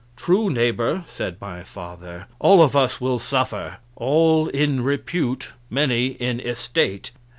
"True, neighbor," said my father; "all of us will suffer all in repute, many in estate.